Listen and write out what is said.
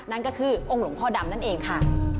นั่นก็คือองค์หลวงพ่อดำนั่นเองค่ะ